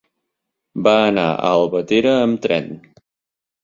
Va anar a Albatera amb tren.